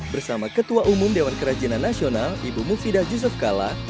bersama ketua umum dewan kerajinan nasional ibu mufidah yusuf kala